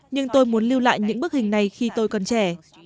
nhưng tôi muốn lưu lại những bức hình này khi tôi còn trẻ